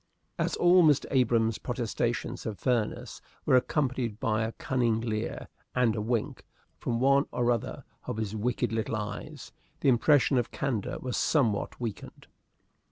As all Mr. Abrahams' protestations of fairness were accompanied by a cunning leer and a wink from one or other of his wicked little eyes, the impression of candor was somewhat weakened.